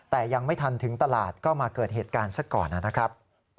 แต่ยังไม่ทันถึงตลาดก็มาเกิดเหตุการณ์ซะก่อนนะครับ